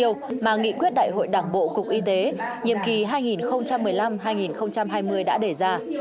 những mục tiêu mà nghị quyết đại hội đảng bộ cục y tế nhiệm kỳ hai nghìn một mươi năm hai nghìn hai mươi đã để ra